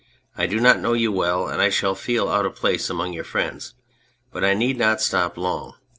I do not know you well, and I shall feel out of place among your friends, but I need 'not stop long.